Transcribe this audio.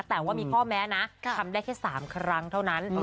แต่ว่ามีข้อแม้นะทำได้แค่๓ครั้งเท่านั้น